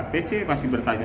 pece masih bertanya